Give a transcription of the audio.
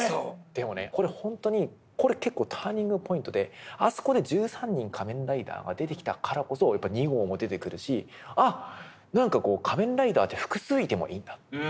でもねこれほんとにこれ結構ターニングポイントであそこで１３人仮面ライダーが出てきたからこそやっぱり２号も出てくるしあっ何か仮面ライダーって複数いてもいいんだって。